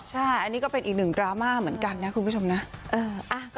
ใช่อันนี้ก็เป็นอีกหนึ่งดราม่าเหมือนกันนะคุณผู้ชมนะ